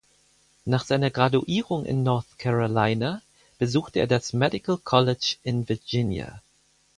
Nach seiner Graduierung in North Carolina besuchte er das Medical College in Virginia.